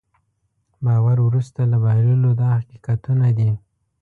باور وروسته له بایللو دا حقیقتونه دي.